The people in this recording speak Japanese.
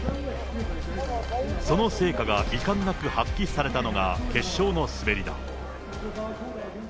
その成果がいかんなく発揮されたのが決勝の滑りだ。